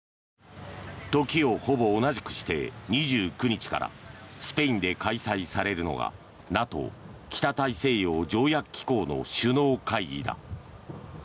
時をほぼ同じくして２９日からスペインで開催されるのがＮＡＴＯ・北大西洋条約機構の首脳会議だ。